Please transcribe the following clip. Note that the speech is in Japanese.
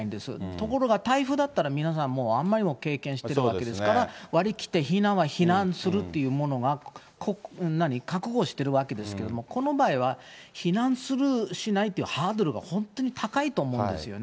ところが、台風だったら皆さんもう、あまりにも経験しているわけですから、割り切って避難は避難するというものが、覚悟しているわけですけども、この場合は、避難するしないというハードルが本当高いと思うんですよね。